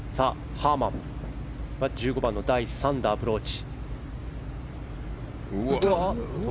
ハーマン１５番の第３打、アプローチ。